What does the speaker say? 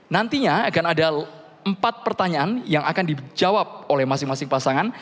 nantinya akan ada empat pertanyaan yang akan dijawab oleh masing masing pasangan